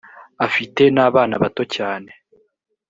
afite n abana bato cyane